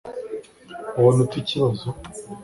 ubona ute ikibazo